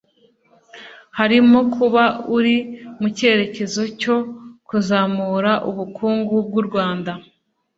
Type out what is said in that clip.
harimo kuba iri mu cyerekezo cyo kuzamura ubukungu bw’u Rwanda